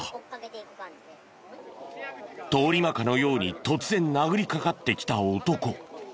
通り魔かのように突然殴りかかってきた男。